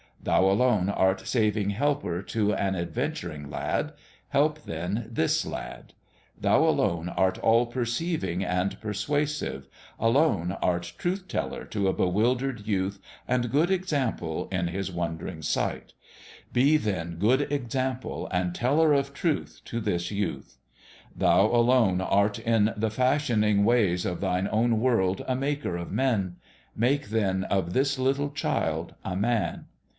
Thou alone art saving helper to an adventuring lad : help then this lad. Thou alone art all perceiving The MAKING of a MAN 105 and persuasive, alone art Truth Teller to a be wildered youth and Good Example in his wonder ing sight : be then Good Example and Teller of Truth to this youth. Thou alone art in the fash ioning ways of Thine own world a Maker of Men : make then of this little child a Man.